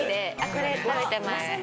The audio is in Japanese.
これ食べてます。